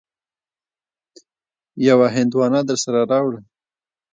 يوه هندواڼه درسره راوړه.